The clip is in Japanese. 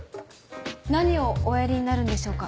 何をおやりになるんでしょうか？